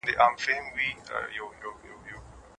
د ږیري خاوند تر نورو ژر ډنډ ته د چاڼ ماشین وړي.